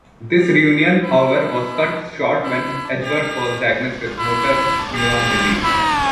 This reunion, however, was cut short when Edgeworth was diagnosed with motor neurone disease.